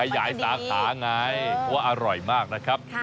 ใหญ่สาขาไงเพราะอร่อยมากนะครับ